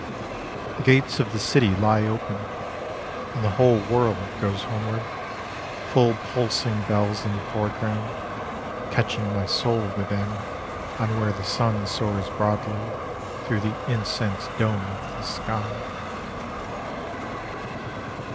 The gates of the city lie open, And the whole world goes homeward, Full pulsing bells in the foreground, Catching my soul with them On where the sun soars broadly through the incense dome of the sky.